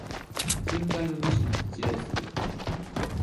近海の主に一礼する。